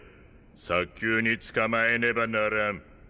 早急に捕まえねばならん。